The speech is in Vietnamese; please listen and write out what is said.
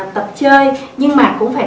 tập chơi nhưng mà cũng phải